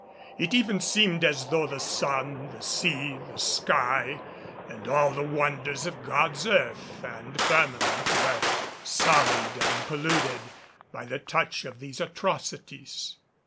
It even seemed as though the sun, the sea, the sky and all the wonders of God's earth and firmament were sullied and polluted by the touch of these atrocities.